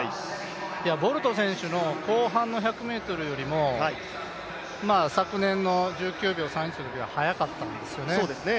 ボルト選手の後半の１００ｍよりも昨年の１９秒３１のときは速かったんですよね、速かったんですよね。